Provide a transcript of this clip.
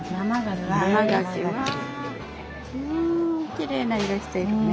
きれいな色してるね。